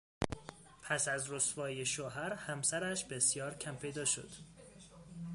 پس از رسوایی شوهر، همسرش بسیار کمپیدا شد.